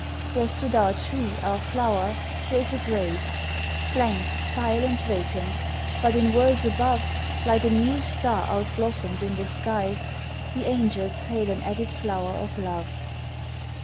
Where stood our tree, our flower, there is a grave! Blank, silent, vacant; but in worlds above, Like a new star outblossomed in the skies, The angels hail an added flower of love.